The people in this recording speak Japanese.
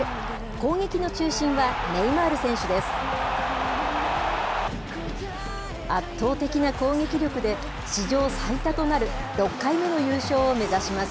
攻撃の中心はネイマール選手です。